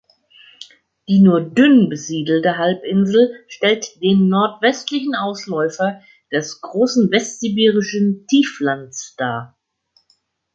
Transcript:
Die nur dünn besiedelte Halbinsel stellt den nordwestlichen Ausläufer des großen Westsibirischen Tieflands dar.